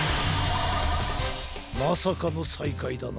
まさかのさいかいだな。